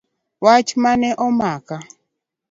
Wach mane omaka.